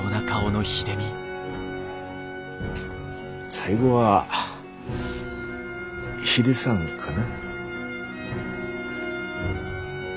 最後はヒデさんかな。